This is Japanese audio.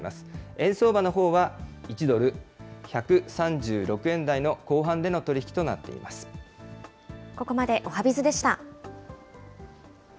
円相場のほうは１ドル１３６円台の後半での取り引きとなっていまここまでおはＢｉｚでした。